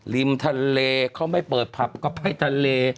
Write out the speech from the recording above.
ริมทะเลเขาไม่เปิดผับก็ไปทะเล